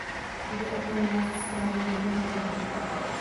Jde o to nalézt správnou rovnováhu.